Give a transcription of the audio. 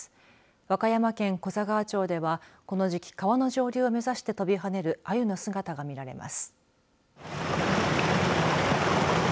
和歌山県古座川町ではこの時期川の上流を目指して跳びはねるあゆの姿が見られます。